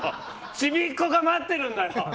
ちびっ子が待ってるんだよ。